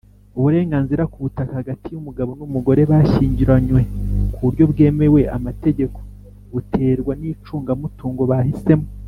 Uburenganzira ku butaka hagati y’umugabo n’umugore bashyingiranywe ku buryo bwemewe amategeko buterwa n’icungamutungo bahisemo.